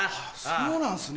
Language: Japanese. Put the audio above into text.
そうなんですね。